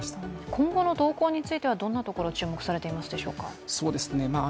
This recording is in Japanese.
今後の動向についてはどんなところに注目されてますでしょうか。